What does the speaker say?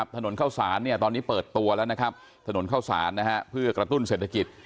ถนนเข้าสารตอนนี้เปิดตัวแล้วนะครับถนนเข้าสารเพื่อกระตุ้นเศรษฐกิจ